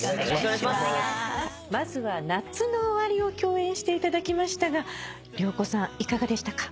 まずは『夏の終わり』を共演していただきましたが良子さんいかがでしたか？